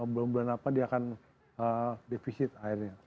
belum berapa dia akan defisit airnya